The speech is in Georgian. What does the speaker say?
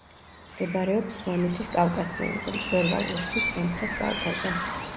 მდებარეობს სვანეთის კავკასიონზე, მწვერვალ უშბის სამხრეთ კალთაზე.